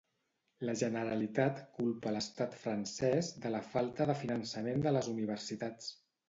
La Generalitat culpa l'estat francès de la falta de finançament de les universitats.